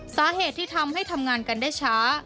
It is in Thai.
สาเหตุที่ทำให้ทำงานกันได้ช้า